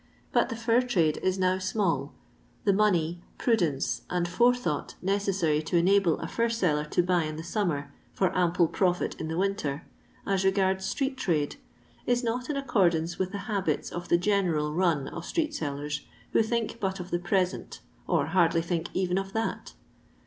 But the fur trade is now small. The money, prudence, and forethought necessary to enable a fur seller to buy in the suntmer, for ample profit in the winter, as regards street trade, is not in accordance with the habits of the general run of street sellers, who think but of the present, or hardly think even of that.